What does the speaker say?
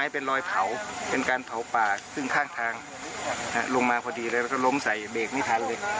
เป็นรอยเผาเป็นการเผาป่าซึ่งข้างทางลงมาพอดีเลยแล้วก็ล้มใส่เบรกไม่ทันเลย